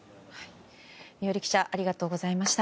伊従記者ありがとうございました。